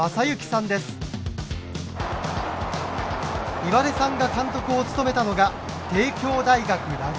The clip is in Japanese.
岩出さんが監督を務めたのが帝京大学ラグビー部。